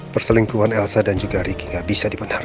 perselingkuhan elsa dan juga riki gak bisa dipenuhi